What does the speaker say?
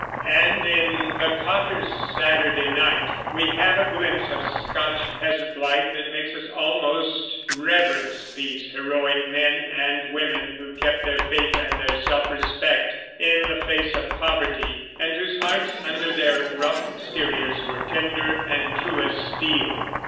And in "The Cotter's Saturday Night" we have a glimpse of Scotch peasant life that makes us almost reverence these heroic men and women, who kept their faith and their self respect in the face of poverty, and whose hearts, under their rough exteriors, were tender and true as steel.